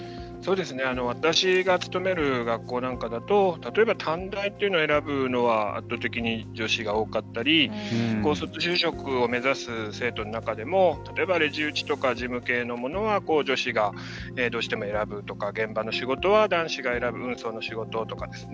私が勤める学校なんかだと例えば、短大というのを選ぶのは圧倒的に女子が多かったり高卒就職を目指す生徒の中でも例えば、レジ打ちとか事務系のものは女子がどうしても選ぶとか現場の仕事は男子が選ぶ運送の仕事とかですね。